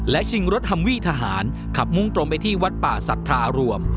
และชิงรถฮัมวี่ทหารขับมุ่งตรงไปที่วัดป่าศรัทธารวม